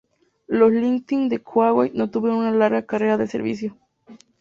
Los Lightning de Kuwait no tuvieron una larga carrera de servicio.